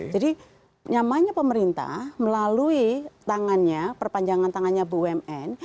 jadi nyamanya pemerintah melalui tangannya perpanjangan tangannya bumn